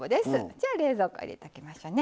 じゃあ冷蔵庫入れときましょうね。